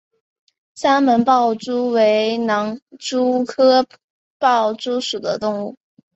三门豹蛛为狼蛛科豹蛛属的动物。